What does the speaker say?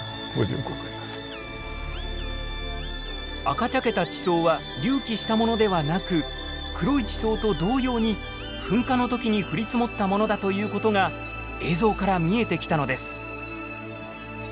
赤茶けた地層は隆起したものではなく黒い地層と同様に噴火の時に降り積もったものだということが映像から見えてきたのです。